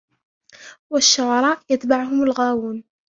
والشعراء يتبعهم الغاوون